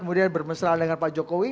kemudian bermesra dengan pak jokowi